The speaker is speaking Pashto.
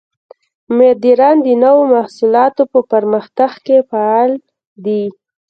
مدیران د نوو محصولاتو په پرمختګ کې فعال دي.